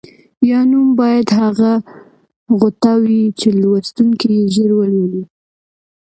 یا نوم باید هغه غوټه وي چې لوستونکی یې ژر ولولي.